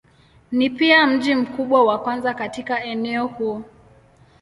Ni pia mji mkubwa wa kwanza katika eneo huu.